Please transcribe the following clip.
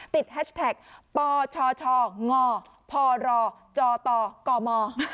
แฮชแท็กปชชงพรจตกม